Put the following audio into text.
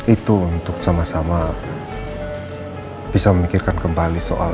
itu untuk sama sama bisa memikirkan kembali soal